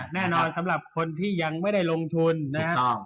แน่นอนสำหรับคนที่ยังไม่ได้ลงทุนนะครับ